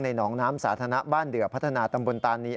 หนองน้ำสาธารณะบ้านเดือพัฒนาตำบลตานี